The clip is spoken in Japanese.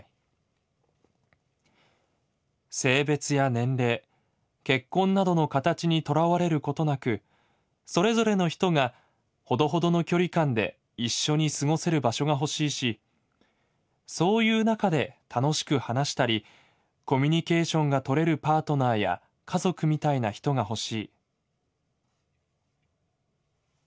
性別や年齢結婚などの形にとらわれることなくそれぞれの人がほどほどの距離感で一緒に過ごせる場所がほしいしそういう中で楽しく話したりコミュニケーションがとれるパートナーや家族みたいな人がほしい」。